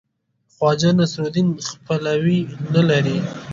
خواجه نصیرالدین خپلوي نه لري.